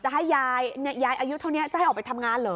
ให้ยายยายอายุเท่านี้จะให้ออกไปทำงานเหรอ